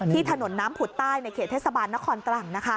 ที่ถนนน้ำผุดใต้ในเขตเทศบาลนครต่างนะคะ